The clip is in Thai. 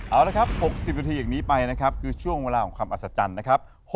เอาละครับ๖๐นาทีอย่างนี้ไปนะครับคือช่วงเวลาของความอัศจรรย์นะครับ